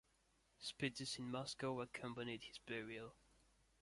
Speeches in Moscow accompanied his burial.